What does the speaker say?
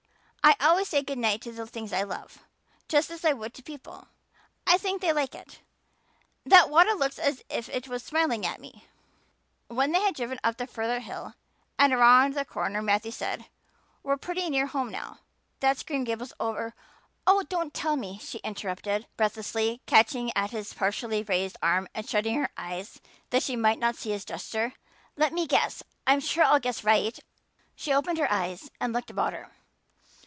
I always say good night to the things I love, just as I would to people. I think they like it. That water looks as if it was smiling at me." When they had driven up the further hill and around a corner Matthew said: "We're pretty near home now. That's Green Gables over " "Oh, don't tell me," she interrupted breathlessly, catching at his partially raised arm and shutting her eyes that she might not see his gesture. "Let me guess. I'm sure I'll guess right." She opened her eyes and looked about her.